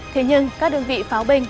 thế nhưng các đơn vị pháo binh